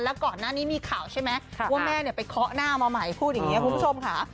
แล้วก่อนหน้านี้มีข่าวใช่ไหมว่าแม่ไปเคาะหน้ามาใหม่พูดอย่างนี้คุณผู้ชมค่ะ